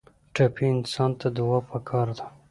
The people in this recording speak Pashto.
ټپي انسان ته دعا پکار ده.